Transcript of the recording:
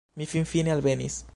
Mi finfine alvenis